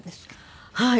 はい。